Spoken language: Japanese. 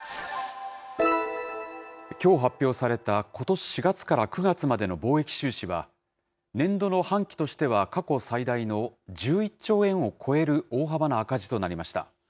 きょう発表されたことし４月から９月までの貿易収支は、年度の半期としては過去最大の１１兆円を超える大幅な赤字となりました。